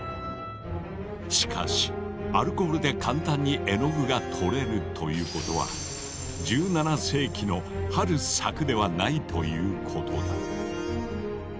しかしアルコールで簡単に絵の具が取れるということは１７世紀のハルス作ではないということだ。